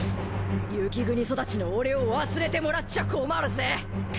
雪国育ちの俺を忘れてもらっちゃ困るぜ。